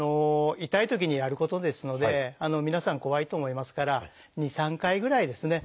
痛いときにやることですので皆さん怖いと思いますから２３回ぐらいですね。